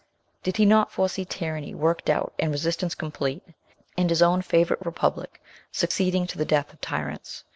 Did he not foresee tyranny worked out and resistance complete, and his own favourite republic succeeding to the death of tyrants